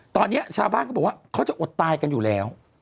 ตอนนี้ชาวบ้านเขาบอกว่าเขาจะอดตายกันอยู่แล้ว